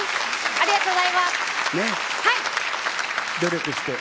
ありがとうございます。